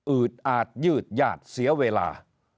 ืดอาจยืดหยาดเสียเวลา